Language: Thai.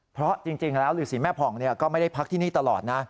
เพราะจริงแล้วฤษีแม่ผ่องก็ไม่ได้พักที่นี่ตลอดนะ